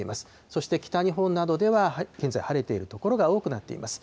そして北日本などでは現在、晴れている所が多くなっています。